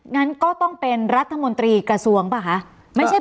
งั้นก็ต้องเป็นรัฐมนตรีกระทรวงป่ะคะ